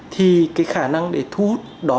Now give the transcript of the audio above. thì cái khả năng để thu hút đón